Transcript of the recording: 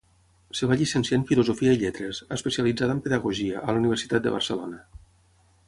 Es va llicenciar en Filosofia i lletres, especialitzada en pedagogia, a la Universitat de Barcelona.